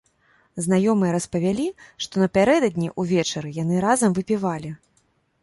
Знаёмыя распавялі, што напярэдадні ўвечары яны разам выпівалі.